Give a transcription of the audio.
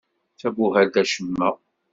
D tabuhalt acemma.